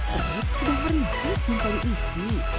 terut sudah merintik mimpi isi